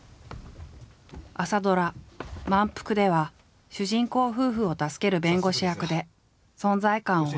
朝ドラ「まんぷく」では主人公夫婦を助ける弁護士役で存在感を放った。